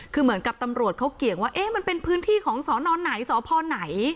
คือเหมือนกับตำรวจเขาเกี่ยงว่ามันเป็นพื้นที่ของสนไหนสพไหน